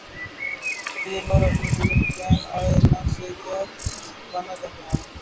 سید نور اپنی فلم چین ائے نہ سے کیا سکھانا چاہتے ہیں